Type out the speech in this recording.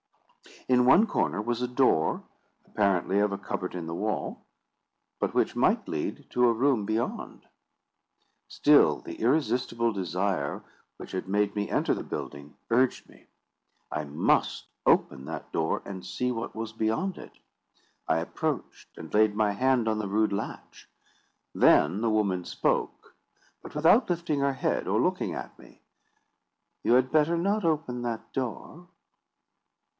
In one corner was a door, apparently of a cupboard in the wall, but which might lead to a room beyond. Still the irresistible desire which had made me enter the building urged me: I must open that door, and see what was beyond it. I approached, and laid my hand on the rude latch. Then the woman spoke, but without lifting her head or looking at me: "You had better not open that door."